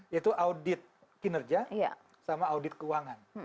yaitu audit kinerja sama audit keuangan